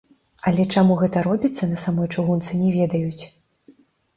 Але чаму гэта робіцца, на самой чыгунцы не ведаюць.